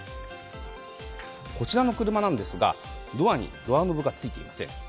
こちらの車なんですが、ドアにドアノブがついていません。